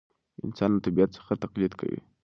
انسان له طبیعت څخه تقلید کوي.